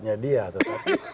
sebagai nasihatnya dia